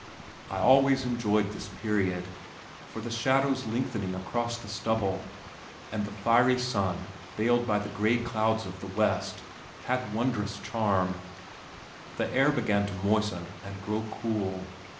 I always enjoyed this period, for the shadows lengthening across the stubble, and the fiery sun, veiled by the gray clouds of the west, had wondrous charm. The air began to moisten and grow cool.